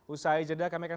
usaha ijadah kami akan